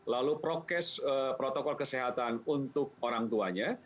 lalu protokol kesehatan untuk orang tuanya